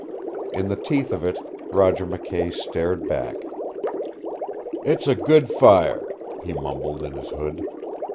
In the teeth of it Roger McKay stared back. "It's a good fire," he mumbled in his hood.